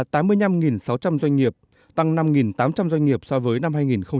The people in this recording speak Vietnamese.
doanh nghiệp tăng năm tám trăm linh doanh nghiệp so với năm hai nghìn một mươi tám